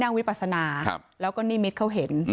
อืมว่านี่คือรถของนางสาวกรรณิการก่อนจะได้ชัดเจนไป